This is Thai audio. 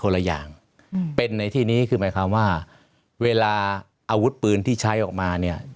ละอย่างอืมเป็นในที่นี้คือหมายความว่าเวลาอาวุธปืนที่ใช้ออกมาเนี่ย